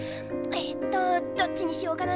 ええとどっちにしようかな。